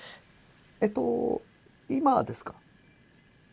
えっと今ですか？